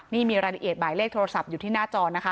นี่มีรายละเอียดหมายเลขโทรศัพท์อยู่ที่หน้าจอนะคะ